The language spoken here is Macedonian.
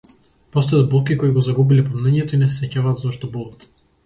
Постојат болки кои го загубиле помнењето и не се сеќаваат зошто болат.